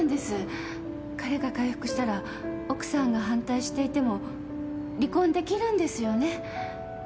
彼が回復したら奥さんが反対していても離婚できるんですよね？